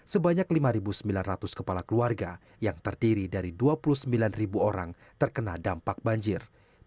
sebanyak lima sembilan ratus kepala keluarga yang terdiri dari dua puluh sembilan orang terkena dampak banjir